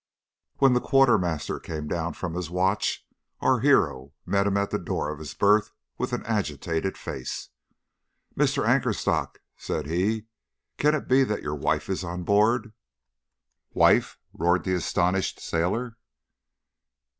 "When the quartermaster came down from his watch our hero met him at the door of his berth with an agitated face. 'Mr. Anchorstock,' said he, 'can it be that your wife is on board?' 'Wife!' roared the astonished sailor.